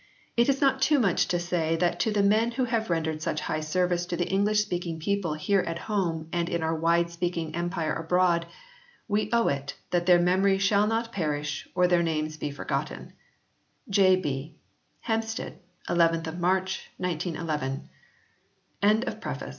It is not too much to say that to the men who have rendered such high service to the English speaking people here at home and in our wide spread Empire abroad, we owe it that their memory shall not perish, or their names be forgotten. J. B. HAMPSTEAD 11 March 1911 CONTENTS Preface ......... v I. Anglo Saxon Versions ..